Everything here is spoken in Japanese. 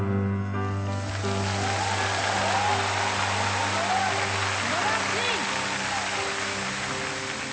すごい！素晴らしい！